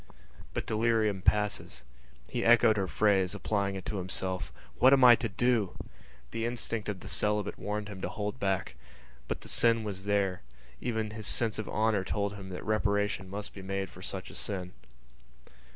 But delirium passes. He echoed her phrase, applying it to himself: "What am I to do?" The instinct of the celibate warned him to hold back. But the sin was there; even his sense of honour told him that reparation must be made for such a sin.